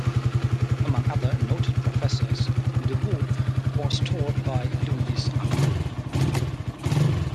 Among other noted professors, Deveaux was taught by Louise Arbour.